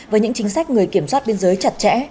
với những chính sách người kiểm soát biên giới chặt chẽ